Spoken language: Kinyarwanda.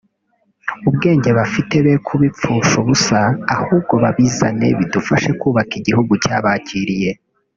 ubwenge bafite be kubipfusha ubusa ahubwo babizane bidufashe kubaka igihugu cyabakiriye